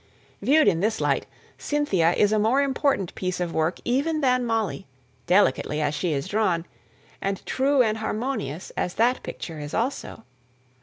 Viewed in this light, Cynthia is a more important piece of work even than Molly, delicately as she is drawn, and true and harmonious as that picture is also.